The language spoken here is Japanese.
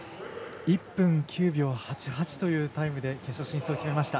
１分９秒８８というタイムで決勝進出決めました